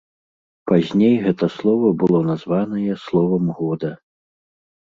Пазней гэта слова было названае словам года.